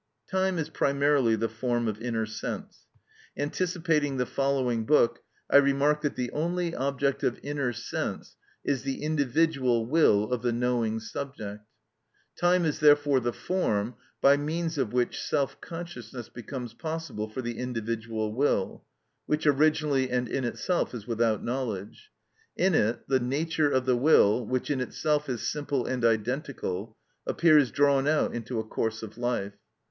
Time is primarily the form of inner sense. Anticipating the following book, I remark that the only object of inner sense is the individual will of the knowing subject. Time is therefore the form by means of which self consciousness becomes possible for the individual will, which originally and in itself is without knowledge. In it the nature of the will, which in itself is simple and identical, appears drawn out into a course of life.